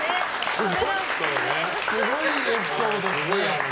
すごいエピソードですね。